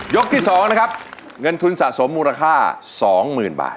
ที่๒นะครับเงินทุนสะสมมูลค่า๒๐๐๐บาท